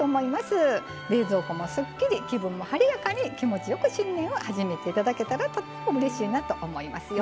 冷蔵庫もすっきり気分も晴れやかに気持ちよく新年を始めて頂けたらうれしいなと思いますよ。